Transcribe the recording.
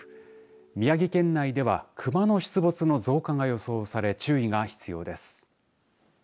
宮城県内では熊の出没の増加が予想され注意が必要です。